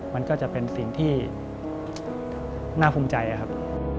มันก็จะเป็นสิ่งที่น่าภูมิใจครับ